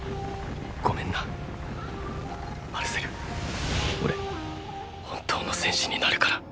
ごめんなマルセル俺本当の戦士になるから。